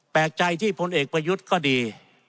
แปลกใจที่พลเอกประยุทธ์ก็ดี